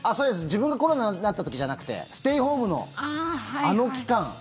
自分がコロナになった時じゃなくてステイホームのあの期間。